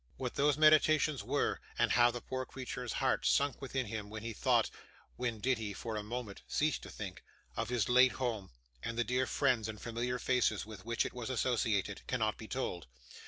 What those meditations were, and how the poor creature's heart sunk within him when he thought when did he, for a moment, cease to think? of his late home, and the dear friends and familiar faces with which it was associated, cannot be told.